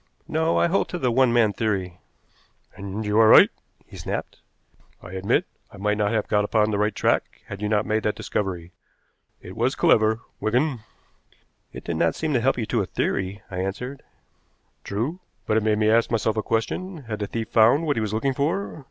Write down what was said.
"No, I hold to the one man theory." "And you are right," he snapped. "I admit I might not have got upon the right track had you not made that discovery. It was clever, Wigan." "It did not seem to help you to a theory," I answered. "True. But it made me ask myself a question. Had the thief found what he was looking for?